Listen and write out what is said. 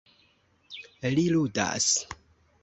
Li ludas.